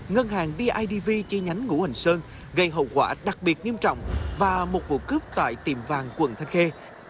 ngân hàng bidv chi nhánh ngũ hành sơn gây hậu quả đặc biệt nghiêm trọng và một vụ cướp tại tiềm vàng quận thanh khê